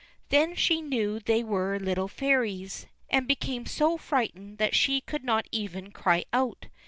Then she knew they were little fairies, and became so frightened that she could not even cry out.